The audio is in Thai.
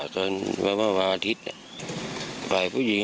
ส่วนใหญ่จะเป็นผู้หญิง